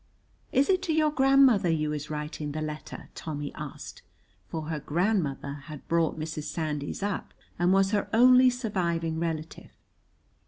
"Is it to your grandmother you is writing the letter?" Tommy asked, for her grandmother had brought Mrs. Sandys up and was her only surviving relative.